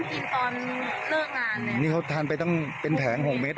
กินตอนเลิกงานเนี่ยนี่เขาทานไปตั้งเป็นแผงหกเม็ด